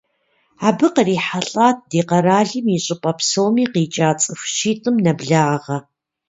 Абы кърихьэлӏат ди къэралым и щӏыпӏэ псоми къикӏа цӏыху щитӏым нэблагъэ.